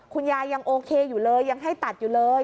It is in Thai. ยังโอเคอยู่เลยยังให้ตัดอยู่เลย